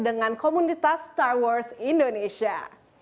dengan komunitas star wars indonesia